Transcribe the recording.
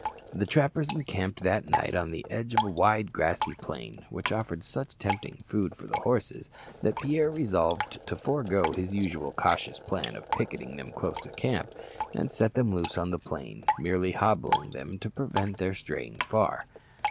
The trappers encamped that night on the edge of a wide grassy plain, which offered such tempting food for the horses that Pierre resolved to forego his usual cautious plan of picketing them close to the camp, and set them loose on the plain, merely hobbling them to prevent their straying far.